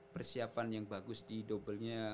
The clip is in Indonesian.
persiapan yang bagus di dobelnya